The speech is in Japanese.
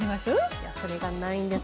それがないんです。